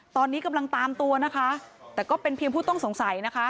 ตอนนี้กำลังตามตัวนะคะแต่ก็เป็นเพียงผู้ต้องสงสัยนะคะ